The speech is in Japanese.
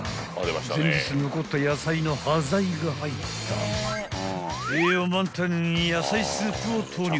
［前日に残った野菜の端材が入った栄養満点野菜スープを投入］